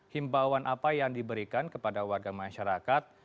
himbauan apa yang diberikan kepada warga masyarakat